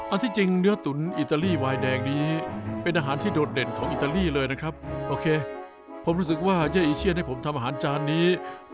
อันที่จริงเนื้อตุ๋นอีตารี่ไวน์แดงนี้